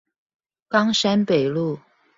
岡山北路